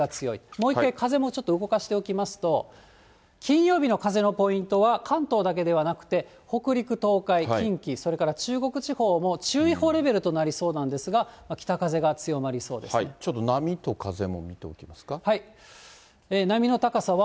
もう一回、風もちょっと動かしておきますと、金曜日の風のポイントは関東だけではなくて、北陸、東海、近畿、それから中国地方も注意報レベルとなりそうなんですが、北風が強ちょっと波と風も見ておきま波の高さは、